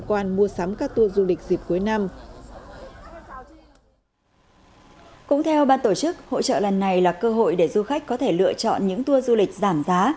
cũng theo ban tổ chức hội trợ lần này là cơ hội để du khách có thể lựa chọn những tour du lịch giảm giá